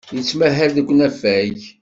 Yettmahal deg unafag.